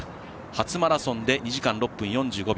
初マラソンで２時間６分４５秒。